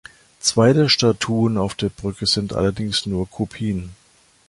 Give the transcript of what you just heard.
Zwei der Statuen auf der Brücke sind allerdings nur Kopien.